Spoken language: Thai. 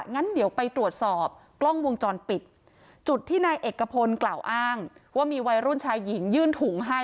งั้นเดี๋ยวไปตรวจสอบกล้องวงจรปิดจุดที่นายเอกพลกล่าวอ้างว่ามีวัยรุ่นชายหญิงยื่นถุงให้